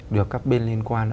được các bên liên quan